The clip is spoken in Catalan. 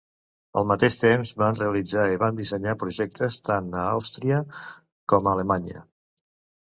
Al mateix temps van realitzar i van dissenyar projectes tant en Àustria com a Alemanya.